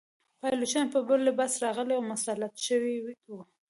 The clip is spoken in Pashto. پایلوچان په بل لباس راغلي او مسلط شوي وه.